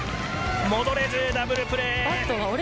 戻れずダブルプレー。